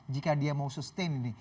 jika dia mau sustain ini